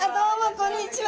こんにちは。